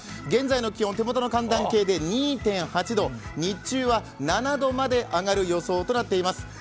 現在の気温手ものの気温計で２．８度日中は７度まで上がる予想となっています。